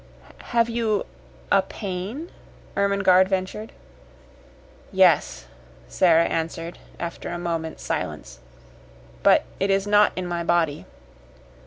"Have you a a pain?" Ermengarde ventured. "Yes," Sara answered, after a moment's silence. "But it is not in my body."